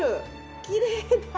きれいだ。